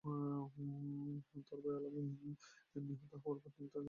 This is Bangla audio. তার ভাই আল আমিন নিহত হওয়ার পর তিনি তার স্থলাভিষিক্ত হন।